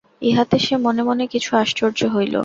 ইহাতে সে মনে মনে কিছু আশ্চর্য হইল।